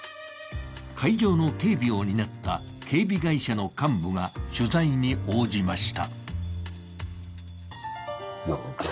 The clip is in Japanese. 会場の警備を担った警備会社の幹部が取材に応じました。